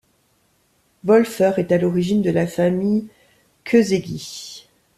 Wolfer est à l'origine de la famille Kőszegi.